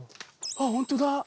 あっホントだ。